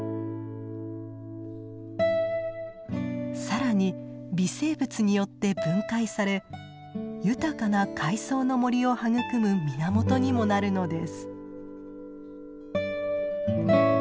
更に微生物によって分解され豊かな海藻の森を育む源にもなるのです。